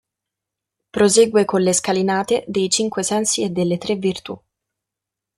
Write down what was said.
Prosegue con le scalinate dei cinque sensi e delle Tre Virtù.